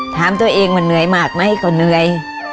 ถามตัวเองว่าเหนื่อยมากไหมก็เหนื่อย